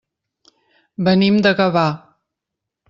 Venim de Gavà.